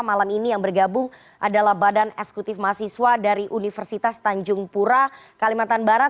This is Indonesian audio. malam ini yang bergabung adalah badan eksekutif mahasiswa dari universitas tanjung pura kalimantan barat